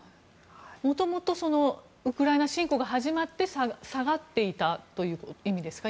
元々ウクライナ侵攻が始まって下がっていたという意味ですか？